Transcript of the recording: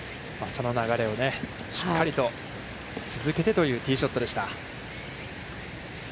その流れをしっかりと続けてというティーショットでした。